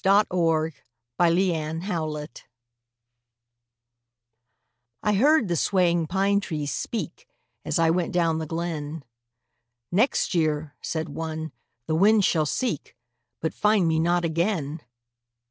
WHAT THE PINE TREES SAID I heard the swaying pine trees speak, As I went down the glen: "Next year," said one, "the wind shall seek, But find me not again!"